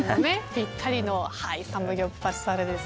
ぴったりのサムギョプサルです。